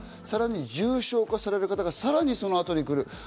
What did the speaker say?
さらに重症化される方がそのあとにくる。